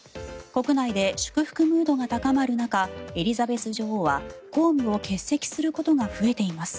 国内で祝福ムードが高まる中エリザベス女王は公務を欠席することが増えています。